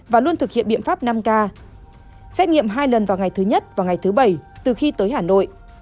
và luôn thực hiện biện pháp năm k xét nghiệm hai lần vào ngày thứ nhất và ngày thứ bảy từ khi tới hà nội